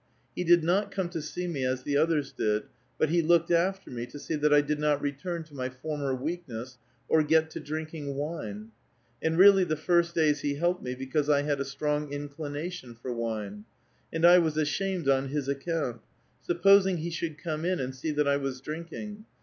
He did not come to see me as the others did, but he looked after me to see that I did not return to my former weakness, or get to drinking wine. And really the first days he helped me because I had a strong in clination for wine. And I was ashamed on his account ; sup posing he should come in and see that I was drinking